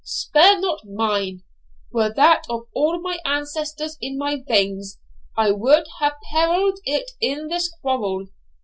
Spare not mine. Were that of all my ancestors in my veins, I would have perilled it in this quarrel.'